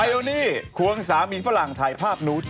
โอนี่ควงสามีฝรั่งถ่ายภาพหนู